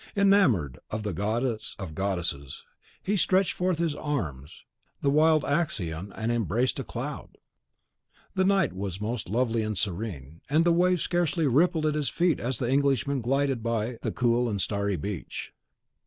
Enamoured of the goddess of goddesses, he stretched forth his arms the wild Ixion and embraced a cloud! The night was most lovely and serene, and the waves scarcely rippled at his feet as the Englishman glided on by the cool and starry beach.